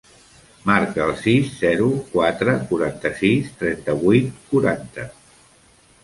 Marca el sis, zero, quatre, quaranta-sis, trenta-vuit, quaranta.